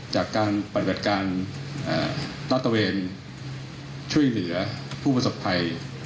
จากการปฏิหัติการรัฐเวรช่วยเหนือผู้ผู้ศพัย